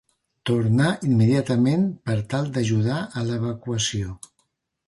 Tornà immediatament per tal d'ajudar a l'evacuació.